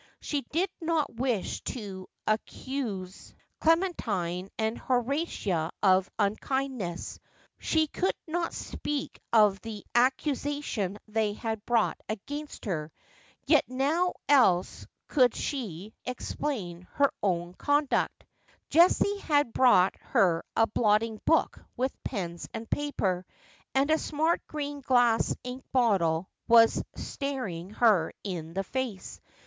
She did not wish to accu e Clemntine and Horatia of unkindness — she could not speak nf the accusation they had brought against her — yet now else could she explain her own conduct 'I Jessie had brought her a blotting book with pens and pap?r, and a smart green glass ink bottle was staring her in the face.